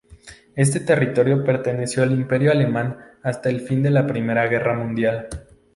Este territorio perteneció al Imperio alemán hasta el fin de la Primera Guerra Mundial.